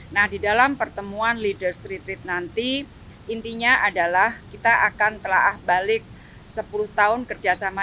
nah di dalam pertemuan leaders retreet nanti intinya adalah kita akan telah balik sepuluh tahun kerjasama